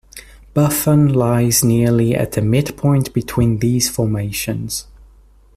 Buffon lies nearly at the midpoint between these formations.